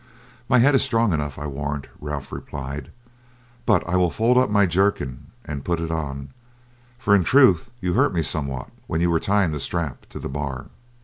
"My head is strong enough, I warrant," Ralph replied, "but I will fold up my jerkin, and put on it, for in truth you hurt me somewhat when you were tying the strap to the bar."